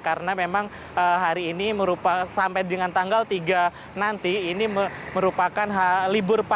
karena memang hari ini sampai dengan tanggal tiga nanti ini merupakan libur